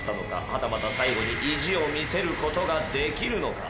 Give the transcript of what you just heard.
はたまた最後に意地を見せる事ができるのか？